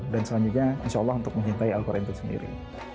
dan selanjutnya insya allah untuk mencintai al quran itu sendiri